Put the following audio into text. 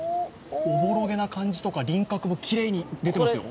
おぼろげな感じとか輪郭もきれいに出てますよ。